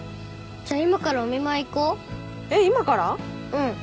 うん。